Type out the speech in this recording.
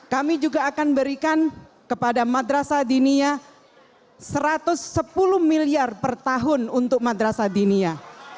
kami juga akan berikan kepada madrasah dinia rp satu ratus sepuluh miliar per tahun untuk madrasah dinia